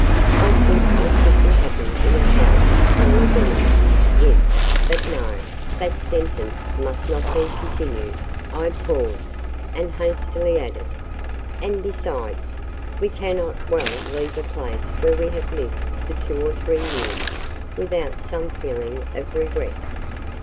I think I could be happy in a house full of enemies, if—" but no; that sentence must not be continued—I paused, and hastily added,—"And, besides, we cannot well leave a place where we have lived for two or three years, without some feeling of regret."